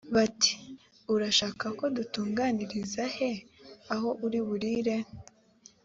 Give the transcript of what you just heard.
bati “ urashaka ko dutunganiriza he aho uri burire?”